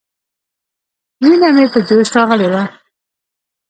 وينه مې په جوش راغلې وه.